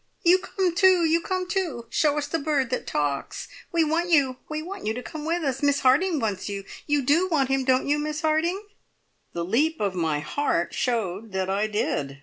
"You come too! You come too! Show us the bird that talks. We want you. We want you to come with us. Miss Harding wants you. You do want him, don't you, Miss Harding?" The leap of my heart showed that I did!